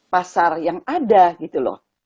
pasar yang ada gitu loh